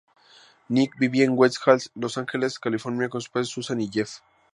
Nick vivía en West Hills, Los Ángeles, California, con sus padres, Susan y Jeff.